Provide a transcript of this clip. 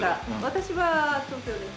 私は東京です。